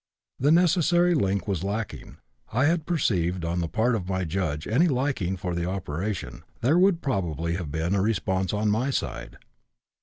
The necessary link was lacking; had I perceived on the part of my judge any liking for the operation, there would probably have been a response on my side.